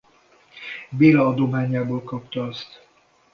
Béla adományából kapta azt.